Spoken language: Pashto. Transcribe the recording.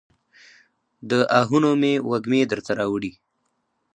د آهونو مې وږمې درته راوړي